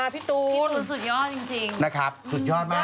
พี่ตูนสุดยอดจริงนะครับสุดยอดมาก